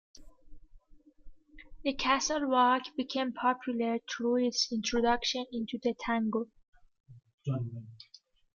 The Castle Walk became popular through its introduction into the Tango.